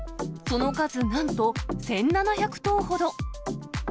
その数、なんと１７００頭ほど。